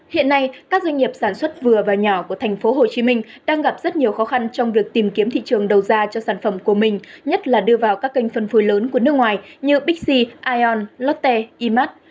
hiện nay các doanh nghiệp sản xuất vừa và nhỏ của tp hcm đang gặp rất nhiều khó khăn trong việc tìm kiếm thị trường đầu ra cho sản phẩm của mình nhất là đưa vào các kênh phân phối lớn của nước ngoài như bixi ion lotte imat